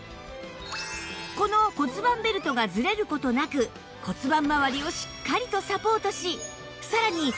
この骨盤ベルトがずれる事なく骨盤まわりをしっかりとサポートしさらに